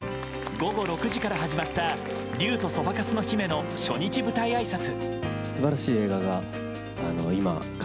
午後６時から始まった「竜とそばかすの姫」の初日舞台あいさつ。